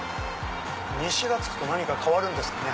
西が付くと何か変わるんですかね。